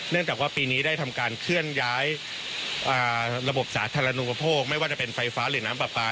จากว่าปีนี้ได้ทำการเคลื่อนย้ายระบบสาธารณูปโภคไม่ว่าจะเป็นไฟฟ้าหรือน้ำปลาปลา